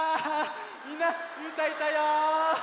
みんなうーたんいたよ。